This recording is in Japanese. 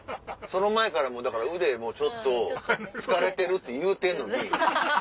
その前からもうだから腕もちょっと疲れてるって言うてんのに。